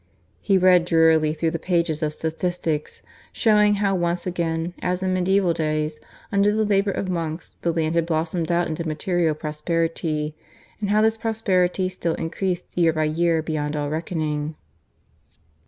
(He read drearily through the pages of statistics showing how once again, as in medieval days, under the labour of monks the land had blossomed out into material prosperity; and how this prosperity still increased, year by year, beyond all reckoning.)